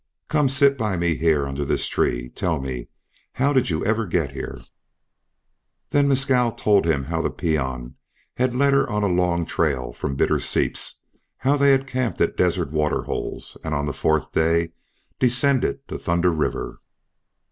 "Come sit by me here under this tree. Tell me how did you ever get here?" Then Mescal told him how the peon had led her on a long trail from Bitter Seeps, how they had camped at desert waterholes, and on the fourth day descended to Thunder River.